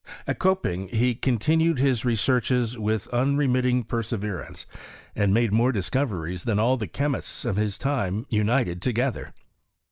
At Kiiping he conti nued his researches with unremittingperaeverance, and made more discoveries than all the chemists of his time united together.